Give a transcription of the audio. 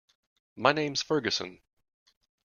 My name's Ferguson.